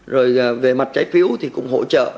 rồi về mặt trái phiếu thì cũng hỗ trợ